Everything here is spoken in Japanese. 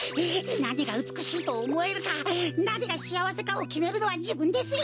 なにがうつくしいとおもえるかなにがしあわせかをきめるのはじぶんですよ。